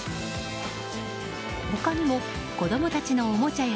他にも子供たちのおもちゃや